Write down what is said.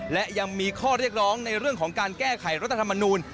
และยังมีข้อเรียกร้องในเรื่องของการแก้ไขรัฐธรรมนูล